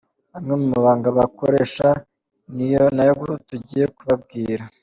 Amwe mu mabanga bakoresha ni yo tugiye kubabwira.